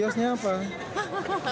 api terbakar api terbakar